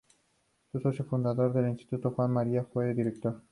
Es socio fundador del Instituto Juan de Mariana y fue su director.